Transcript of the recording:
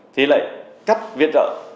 thì lại cắt viện trợ